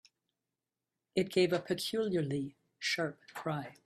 It gave a peculiarly sharp cry.